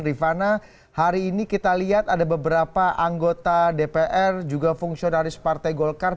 rifana hari ini kita lihat ada beberapa anggota dpr juga fungsionaris partai golkar